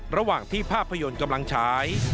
ระหว่างที่ภาพยนตร์กำลังฉาย